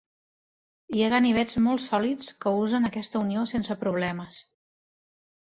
Hi ha ganivets molt sòlids que usen aquesta unió sense problemes.